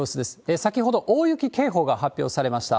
先ほど、大雪警報が発表されました。